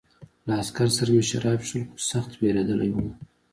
له عسکر سره مې شراب څښل خو سخت وېرېدلی وم